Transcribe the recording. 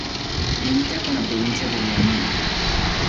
Limita con la provincia de Liaoning.